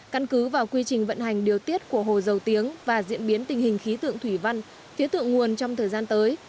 căn cứ vào quy trình vận hành điều tiết của hồ dầu tiếng và diễn biến tình hình khí tượng thủy văn phía thượng nguồn trong thời gian tới